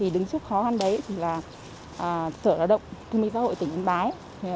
đứng trước khó khăn đấy thì là sở lao động thương mỹ xã hội tỉnh yên bái